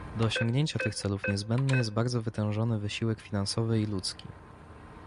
Do osiągnięcia tych celów niezbędny jest bardzo wytężony wysiłek finansowy i ludzki